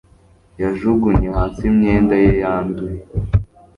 yajugunye hasi imyenda ye yanduye